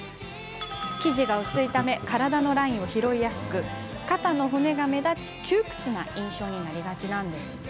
生地が薄いため体のラインを拾いやすく肩の骨が目立ち窮屈な印象になりがちなんです。